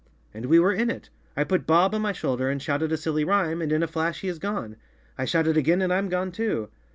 "And we were in it. I put Bob on my shoulder and shouted a silly rhyme, and in a flash he is gone. I shout it again and I'm gone too!"